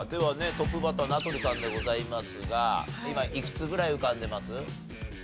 トップバッター名取さんでございますが今いくつぐらい浮かんでます？